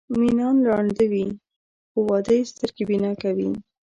مینان ړانده وي خو واده یې سترګې بینا کوي.